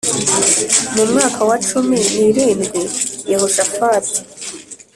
Mu mwaka wa cumi n irindwi Yehoshafati